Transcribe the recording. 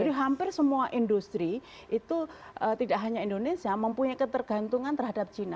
jadi hampir semua industri itu tidak hanya indonesia mempunyai ketergantungan terhadap china